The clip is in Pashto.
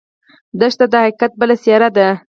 دښته د حقیقت بله څېره ده.